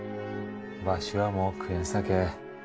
わしはもう食えんさけ